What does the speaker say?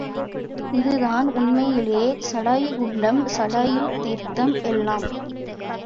இதுதான் உண்மையிலேயே சடாயுகுண்டம், சடாயுதீர்த்தம் எல்லாம்.